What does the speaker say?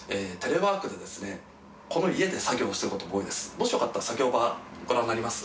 もしよかったら作業場ご覧になります？